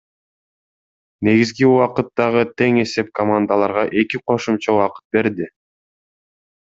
Негизги убакыттагы тең эсеп командаларга эки кошумча убакыт берди.